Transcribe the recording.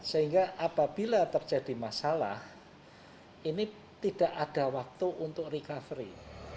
sehingga apabila terjadi masalah ini tidak ada waktu untuk recovery